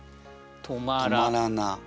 「止まらな」。